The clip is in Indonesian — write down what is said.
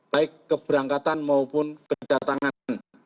baik keberangkatan maupun kedatangan